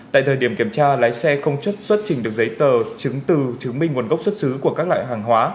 tại thời điểm kiểm tra lái xe không xuất trình được giấy tờ chứng từ chứng minh nguồn gốc xuất xứ của các loại hàng hóa